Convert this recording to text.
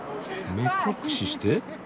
目隠しして？